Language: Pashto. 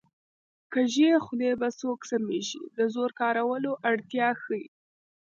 کږې خولې په سوک سمېږي د زور کارولو اړتیا ښيي